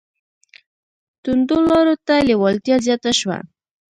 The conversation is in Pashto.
توندو لارو ته لېوالتیا زیاته شوه